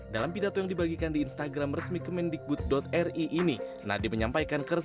dalam pidato yang dibagikan di instagram resmi kemendikbud ri ini nadiem menyampaikan keresahan